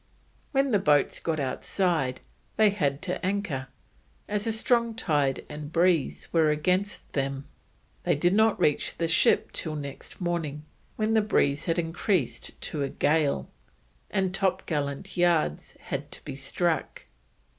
When the boats got outside they had to anchor, as a strong tide and breeze were against them, and they did not reach the ship till next morning, when the breeze had increased to a gale, and topgallant yards had to be struck.